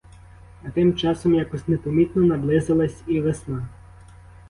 А тим часом якось непомітно наблизилась і весна.